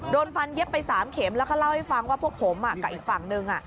โดนฟันเย็บไป๓เข็มแล้วก็เล่าให้ฟังว่าพวกผมกับอีกฝั่งหนึ่ง